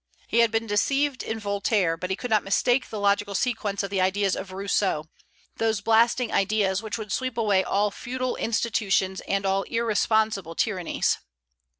He had been deceived in Voltaire, but he could not mistake the logical sequence of the ideas of Rousseau, those blasting ideas which would sweep away all feudal institutions and all irresponsible tyrannies.